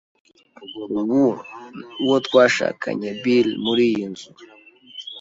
Ubu, uwo twashakanye Bill muri iyi nzu? ”